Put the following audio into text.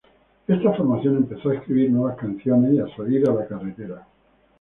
Esa formación empezó a escribir nuevas canciones y a salir a la carretera.